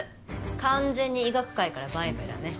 完全に医学界からバイバイだね。